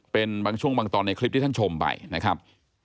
เป็นบางช่วงบางตอนในคลิปที่ท่านชมไปนะครับ